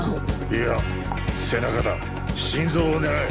いや背中だ心臓を狙え！